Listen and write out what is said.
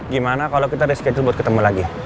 gimana kalau kita reschedule buat ketemu lagi